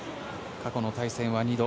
過去の対戦は２度。